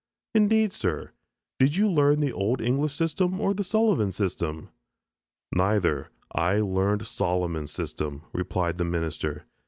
"Indeed, sir, did you learn the Old English system or the Sullivan system" "Neither; I learned Solomon's system!" replied the minister.